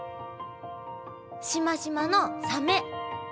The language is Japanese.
しましまのサメ。